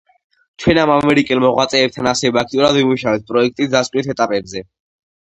ჩვენ ამ ამერიკელ მოღვაწეებთან ასევე აქტიურად ვიმუშავებთ პროექტის დასკვნით ეტაპებზე.